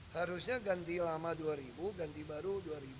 harusnya ganti lama dua ribu ganti baru dua ribu